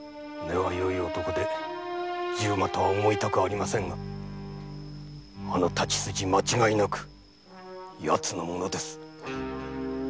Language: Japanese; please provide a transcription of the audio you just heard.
根は良い男で十馬とは思いたくありませんがあの太刀筋間違いなくヤツのものです。